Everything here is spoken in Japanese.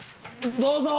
どうぞ！